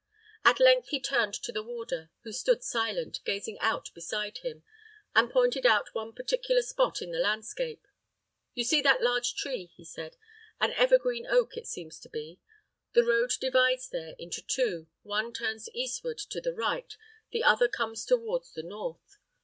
At length he turned to the warder, who stood silent, gazing out beside him, and pointed out one particular spot in the landscape. "You see that large tree," he said; "an evergreen oak, it seems to be. The road divides there into two; one turns eastward to the right, the other comes toward the north.